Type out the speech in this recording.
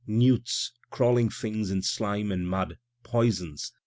Newts, crawling things in slime and mud, poisons.